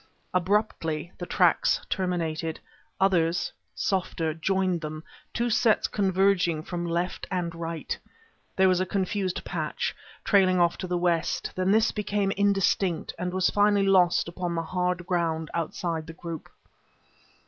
Abruptly the tracks terminated; others, softer, joined them, two sets converging from left and right. There was a confused patch, trailing off to the west; then this became indistinct, and was finally lost upon the hard ground outside the group.